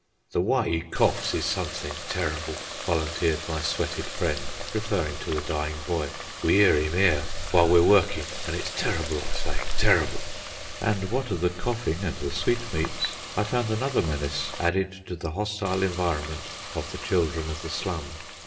"The w'y 'e coughs is somethin' terrible," volunteered my sweated friend, referring to the dying boy. "We 'ear 'im 'ere, w'ile we're workin', an' it's terrible, I say, terrible!" And, what of the coughing and the sweetmeats, I found another menace added to the hostile environment of the children of the slum.